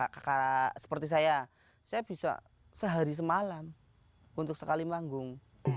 kakak seperti saya saya bisa sehari semalam untuk sekali manggung